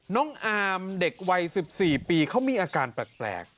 น้องอาร์มเด็กวัยสิบสี่ปีเขามีอาการแปลกแปลก